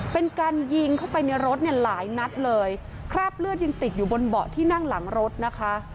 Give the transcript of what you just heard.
เป็นการยิงเข้าไปในรถเนี่ยหลายนัดเลยคราบเลือดยังติดอยู่บนเบาะที่นั่งหลังรถนะคะ